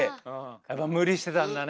やっぱ無理してたんだね。